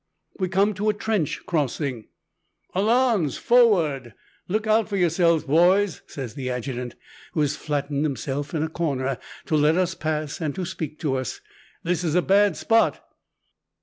We come to a trench crossing. "Allons, forward! Look out for yourselves, boys!" says the adjutant, who has flattened himself in a corner to let us pass and to speak to us. "This is a bad spot."